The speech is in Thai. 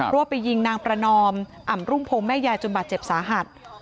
ว่าไปยิงนางประนอมอ่ำรุ่งพงศ์แม่ยายจนบาดเจ็บสาหัส